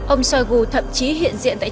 ông shoigu thậm chí hiện diện tại trung quốc